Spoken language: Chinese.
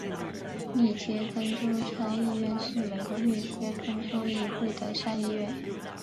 密歇根州参议院是美国密歇根州议会的上议院。